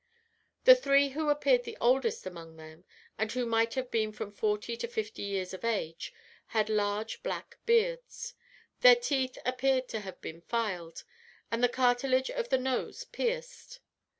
"The three who appeared the oldest among them, and who might have been from forty to fifty years of age, had large black beards. Their teeth appeared to have been filed, and the cartilage of the nose pierced.